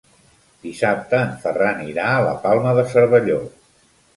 Dissabte en Ferran irà a la Palma de Cervelló.